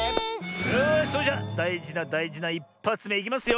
よしそれじゃだいじなだいじな１ぱつめいきますよ。